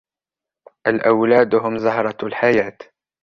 الأولاد هم زَهرةُ الحياة.